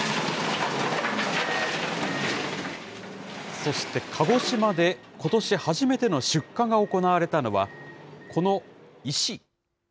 そして鹿児島で、ことし初めての出荷が行われたのは、この石。